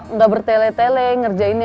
nggak bertele tele ngerjainnya